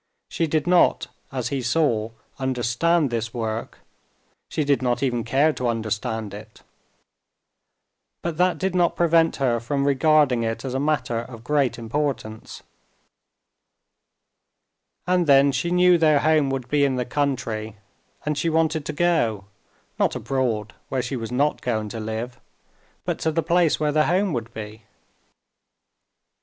She did not, as he saw, understand this work, she did not even care to understand it. But that did not prevent her from regarding it as a matter of great importance. And then she knew their home would be in the country, and she wanted to go, not abroad where she was not going to live, but to the place where their home would be.